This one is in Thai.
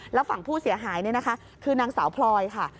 แล้วฝั่งผู้เสียหายนี่นะคะคือนางสาวพลอยค่ะ